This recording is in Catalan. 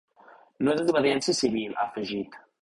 No es desobediència civil, ha afegit.